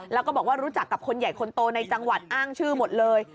แล้วก็บอกว่ารู้จักกับคนใหญ่คนโตในจังหวัดอ้างชื่อหมดเลย